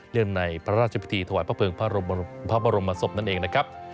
ในพระราชพิธีถวายพระเภิงพระบรมศพนั่นเองนะครับ